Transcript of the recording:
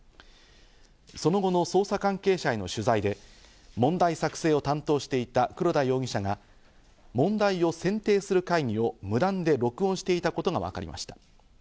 その後の捜査関係者への取材で問題作成を担当していた黒田容疑者が問題を選定する会議を無断で録音していたことがわかりました。